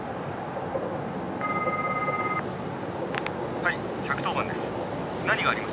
「はい１１０番です。